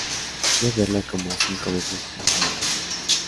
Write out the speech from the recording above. Fui a verla como cinco veces porque me fascinó.